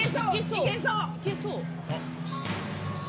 いけそう。